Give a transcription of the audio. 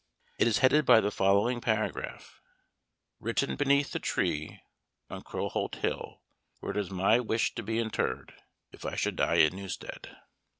It is headed by the following paragraph. "Written beneath the tree on Crowholt Hill, where it is my wish to be interred (if I should die in Newstead)."